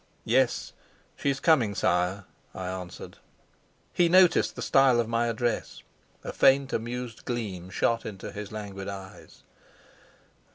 "Yes, she's coming, sire," I answered. He noticed the style of my address; a faint amused gleam shot into his languid eyes.